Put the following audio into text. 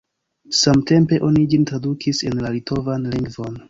Samtempe oni ĝin tradukis en la litovan lingvon.